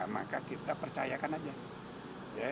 maka kita percayakan aja